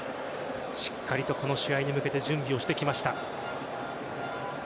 しっかりとこの試合に向けて準備をしてきました。